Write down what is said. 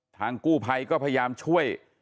ทางกู้ภัยก็พยายามช่วย